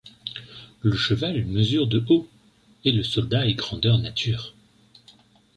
Le cheval mesure de haut, et le soldat est grandeur nature.